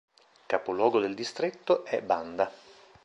Capoluogo del distretto è Banda.